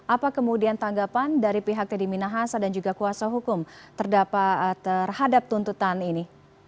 apa kemudian tanggapan dari pihak teddy minahasa dan juga kuasa hukum terhadap tuntutan ini